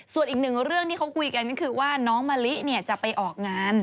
ส่วนอีกหนึ่งเรื่องที่เขาคุยกันก็คือว่าน้องมะลิจะไปออกงาน